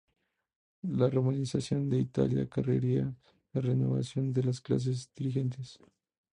La romanización de Italia acarrearía la renovación de las clases dirigentes.